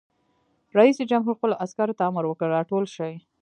رئیس جمهور خپلو عسکرو ته امر وکړ؛ راټول شئ!